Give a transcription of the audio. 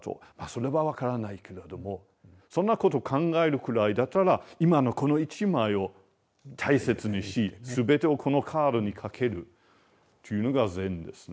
それは分からないけれどもそんなこと考えるくらいだったら今のこの１枚を大切にし全てをこのカードにかけるというのが禅ですね。